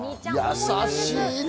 優しいね。